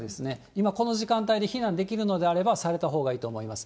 今、この時間帯に避難できるのであれば、されたほうがいいと思います。